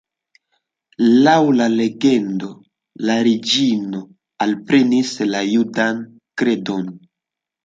Laŭ la legendo, la reĝino alprenis la judan kredon.